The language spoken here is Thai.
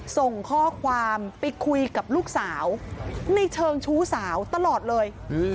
ส่งข้อความไปคุยกับลูกสาวในเชิงชู้สาวตลอดเลย